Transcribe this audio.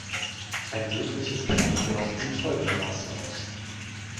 Ein mögliches Kladogramm sieht folgendermaßen aus.